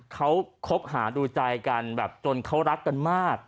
เขาคบหาดูใจกันแบบจนเขารักกันมาก